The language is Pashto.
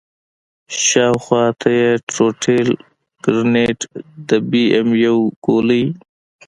شاوخوا ته يې ټروټيل ګرنېټ د بي ام يو ګولۍ.